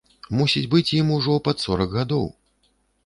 Мусіць быць ім ужо пад сорак гадоў!